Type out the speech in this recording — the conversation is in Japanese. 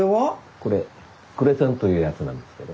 これクレソンというやつなんですけど。